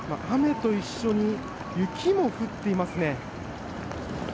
雨と一緒に雪も降っていますね。